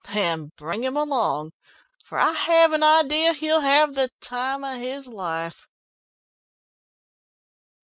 "Then bring him along, for I have an idea he'll have the time of his life."